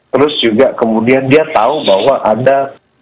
terus juga kemudian dia tahu bahwa ada